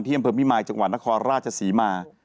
อำเภอพิมายจังหวัดนครราชศรีมา